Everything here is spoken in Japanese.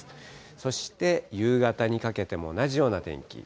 そして夕方にかけても同じような天気。